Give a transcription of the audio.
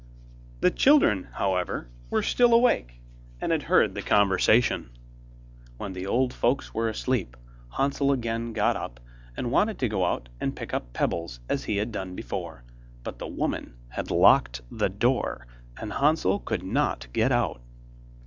The children, however, were still awake and had heard the conversation. When the old folks were asleep, Hansel again got up, and wanted to go out and pick up pebbles as he had done before, but the woman had locked the door, and Hansel could not get out.